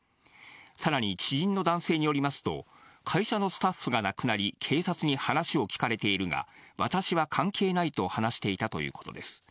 さらに知人の男性によりますと、会社のスタッフが亡くなり、警察に話を聞かれているが、私は関係ないと話していたということです。